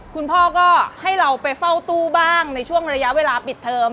คุณพ่อก็ให้เราไปเฝ้าตู้บ้างในช่วงระยะเวลาปิดเทอม